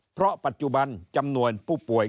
เพราะปัจจุบันจำนวนผู้ป่วย